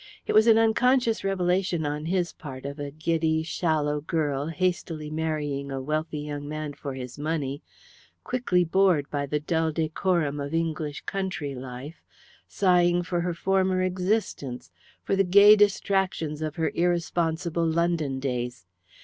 It was an unconscious revelation on his part of a giddy shallow girl hastily marrying a wealthy young man for his money, quickly bored by the dull decorum of English country life, sighing for her former existence for the gay distractions of her irresponsible London days.